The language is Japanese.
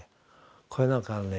これなんかはね